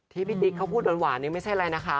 ที่พี่ติ๊กเขาพูดหวานนี่ไม่ใช่อะไรนะคะ